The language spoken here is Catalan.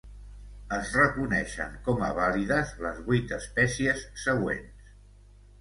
Es reconeixen com a vàlides les vuit espècies següents.